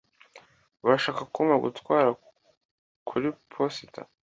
urashaka kumpa gutwara kuri posita